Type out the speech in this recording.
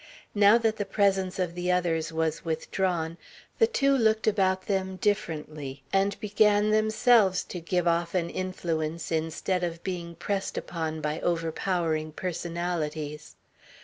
Now that the presence of the others was withdrawn, the two looked about them differently and began themselves to give off an influence instead of being pressed upon by overpowering personalities.